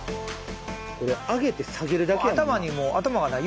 これ上げて下げるだけやもんな。